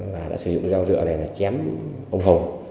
và đã sử dụng rau rựa này là chém ông hùng